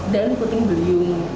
dan puting beliung